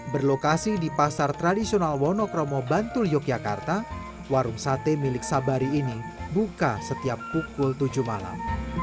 berlokasi di pasar tradisional wonokromo bantul yogyakarta warung sate milik sabari ini buka setiap pukul tujuh malam